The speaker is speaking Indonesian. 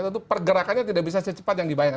tentu pergerakannya tidak bisa secepat yang dibayangkan